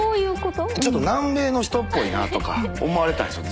ちょっと南米の人っぽいなとか思われたいんですよ。